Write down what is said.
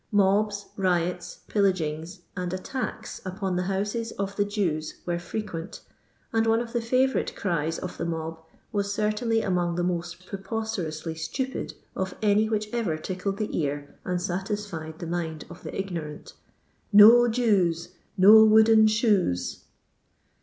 M ob^ riots, pillagings, and attacks upon the bouses of the Jews were frequent, and one of the fiivoQiite cries of the mob was certainly among the moat prepoiteroasly stupid of any which ever tickled the ear and satisfied the mind of the ignorant: —•• No Jews I No wooden shoes I !